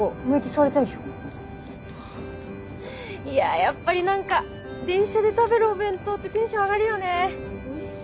いややっぱり何か電車で食べるお弁当ってテンション上がるよね！